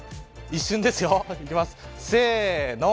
一瞬ですよ。